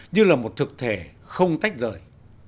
như là một thực thể không tách rời